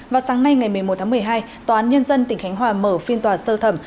vào sáng nay ngày một mươi một tháng một mươi hai tòa án nhân dân tỉnh khánh hòa mở phiên tòa sơ thẩm